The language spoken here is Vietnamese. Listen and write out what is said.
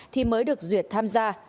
thì mới được duyệt tham gia